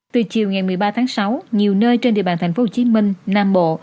từ chiều ngày một mươi ba tháng sáu nhiều nơi trên địa bàn tp hcm nam bộ